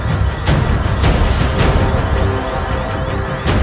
aku akan mencari obat untuk kesembuhan